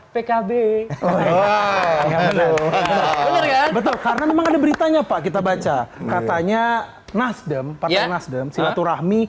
pkb oh arabic betul barkan mengamati beritanya pak kita baca katanya nasdem pak nasodean silaturahmi